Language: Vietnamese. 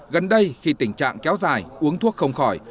gần đây khi tình trạng kéo dài uống thuốc không khỏi